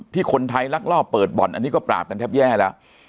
ที่คนไทยลักลอบเปิดบ่อนอันนี้ก็ปราบกันแทบแย่แล้ว